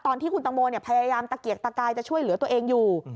ตอนที่คุณตังโมพยายามตะเกียกตะกายจะช่วยเหลือตัวเองอยู่